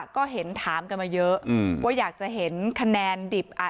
ก็เห็นถามกันมาเยอะอืมว่าอยากจะเห็นคะแนนดิบอ่ะ